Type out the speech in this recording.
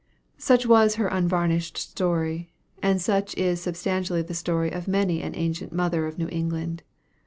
Such was her unvarnished story; and such is substantially the story of many an ancient mother of New England.